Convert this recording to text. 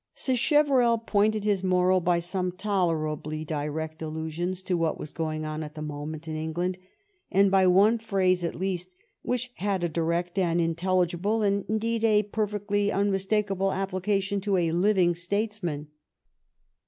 Sacheverell pointed his moral by some tolerably direct allusions to what was going on at that moment in England, and by one phrase, at least, which had a direct and intelligible, and, indeed, a perfectly unmis takable, application to a living statesman.